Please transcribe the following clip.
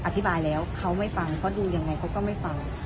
อธิบายแล้วเขาไม่ฟังเขาดูยังไงเขาก็ไม่ฟัง